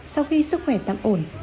sau khi sức khỏe tạm ổn